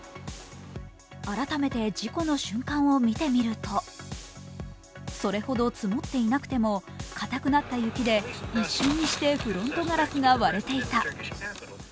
改めて事故の瞬間を見てみると、それほど積もっていなくてもかたくなった雪で一瞬にしてフロントガラスが割れていた。